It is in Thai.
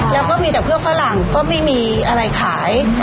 แล้วก็มีแต่เพื่อฝรั่งก็ไม่มีอะไรขาย